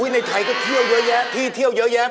ในไทยก็เที่ยวเยอะแยะที่เที่ยวเยอะแยะ